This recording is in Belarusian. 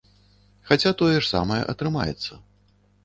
Хаця тое ж самае атрымаецца.